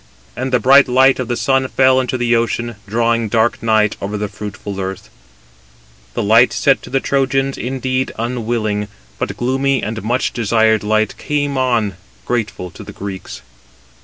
And the bright light of the sun fell into the ocean, drawing dark night over the fruitful earth. 286 The light set to the Trojans indeed unwilling; but gloomy and much desired light came on, grateful to the Greeks.